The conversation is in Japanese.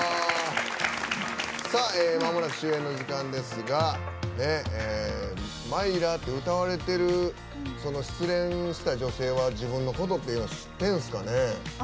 まもなく終演の時間ですが「Ｍｙｒａ」って歌われてるその失恋した女性は自分のことって知ってるんですかね？